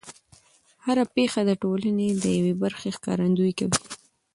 هر پېښه د ټولنې د یوې برخې ښکارندويي کوي.